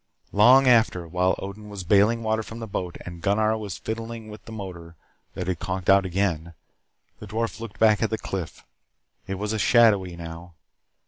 Long after, while Odin was bailing water from the boat, and Gunnar was fiddling with the motor that had conked out again, the dwarf looked back at the cliff. It was shadowy now.